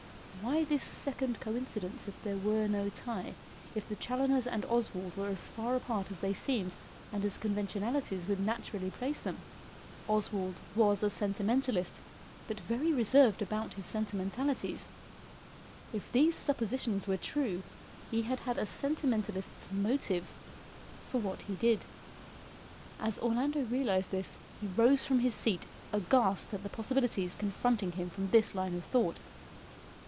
Why this second coincidence, if there were no tie if the Challoners and Oswald were as far apart as they seemed and as conventionalities would naturally place them. Oswald was a sentimentalist, but very reserved about his sentimentalities. If these suppositions were true, he had had a sentimentalist's motive for what he did. As Orlando realised this, he rose from his seat, aghast at the possibilities confronting him from this line of thought.